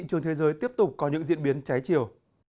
thị trường thế giới tiếp tục có những diễn biến cháy chiều